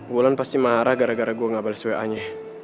wulan pasti marah gara gara gue gak bales wa nya